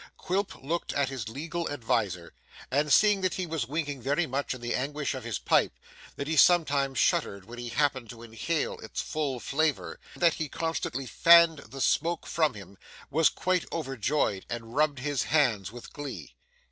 Quilp looked at his legal adviser, and seeing that he was winking very much in the anguish of his pipe, that he sometimes shuddered when he happened to inhale its full flavour, and that he constantly fanned the smoke from him, was quite overjoyed and rubbed his hands with glee.